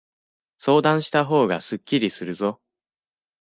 相談したほうがすっきりするぞ。